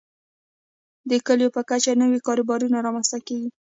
د کليو په کچه نوي کاروبارونه رامنځته کیږي.